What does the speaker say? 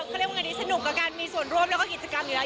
เขาเรียกว่างานนี้สนุกกับการมีส่วนร่วมแล้วก็กิจกรรมอยู่แล้ว